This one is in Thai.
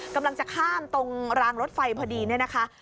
กำลังจะข้ามตรงรางรถไฟพอดีเนี่ยนะคะ